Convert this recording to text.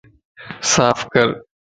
صاف ڪر